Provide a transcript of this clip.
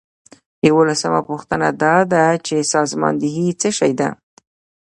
یوولسمه پوښتنه دا ده چې سازماندهي څه شی ده.